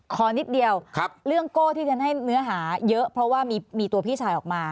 ขอนิดเดียวเรื่องโก้ที่ฉันให้เนื้อหาเยอะเพราะว่ามีตัวพี่ชายออกมา